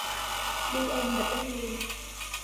บีเอ็มดับเบิลยู